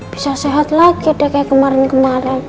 bisa sehat lagi deh kayak kemarin kemarin